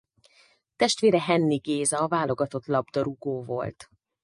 Testvére Henni Géza válogatott labdarúgó volt.